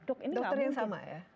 dokter yang sama ya